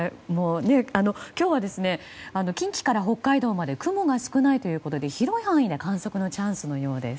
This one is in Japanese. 今日は近畿から北海道まで雲が少ないということで広い範囲で観測のチャンスのようです。